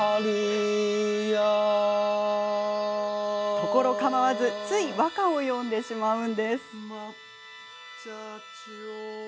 ところかまわずつい和歌を詠んでしまうんです。